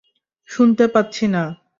শুনতে পাচ্ছি না।